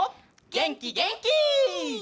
げんきげんき！